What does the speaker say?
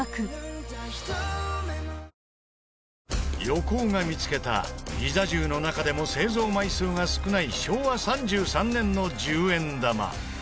横尾が見つけたギザ１０の中でも製造枚数が少ない昭和３３年の１０円玉。